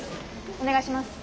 お願いします。